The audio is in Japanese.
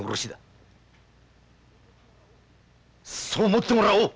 そう思ってもらおう！